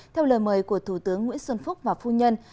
theo lời mời của thủ tướng nguyễn xuân phúc và phu nhân